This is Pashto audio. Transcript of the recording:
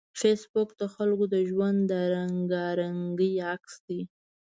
فېسبوک د خلکو د ژوند د رنګارنګۍ عکس دی